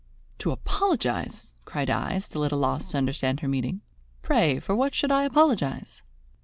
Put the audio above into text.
"To apologize?" cried I, still more at a loss to understand her meaning. "Pray, for what should I apologize?"